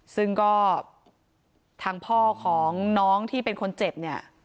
ซึ่งก็ทางพ่อของน้องที่เป็นคนเจ็บเนี่ย